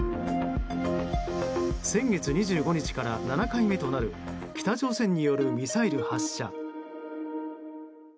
先月２５日から７回目となる北朝鮮によるミサイル発射。